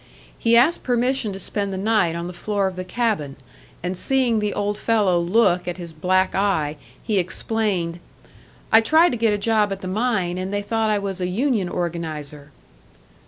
He asked permission to spend the night on the floor of the cabin; and seeing the old fellow look at his black eye, he explained, "I tried to get a job at the mine, and they thought I was a union organiser."